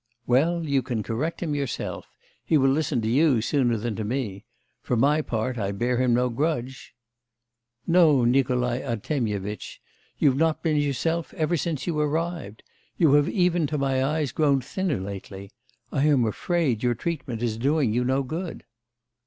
'Well, you can correct him yourself. He will listen to you sooner than to me. For my part I bear him no grudge.' 'No, Nikolai Artemyevitch, you've not been yourself ever since you arrived. You have even to my eyes grown thinner lately. I am afraid your treatment is doing you no good.